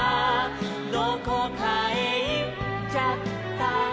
「どこかへいっちゃったしろ」